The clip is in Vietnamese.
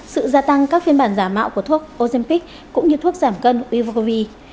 sự gia tăng các phiên bản giả mạo của thuốc ojempic cũng như thuốc giảm cân uv